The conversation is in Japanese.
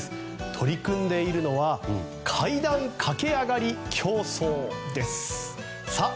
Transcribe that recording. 取り組んでいるのは階段駆け上がり競争です。